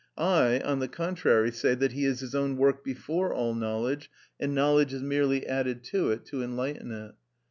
I, on the contrary, say that he is his own work before all knowledge, and knowledge is merely added to it to enlighten it.